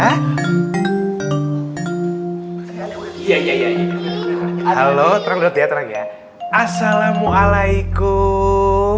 halo terang terang ya assalamualaikum